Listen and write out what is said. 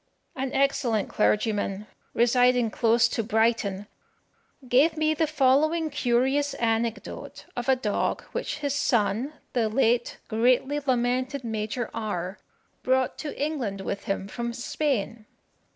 An excellent clergyman, residing close to Brighton, gave me the following curious anecdote of a dog which his son, the late greatly lamented Major R brought to England with him from Spain.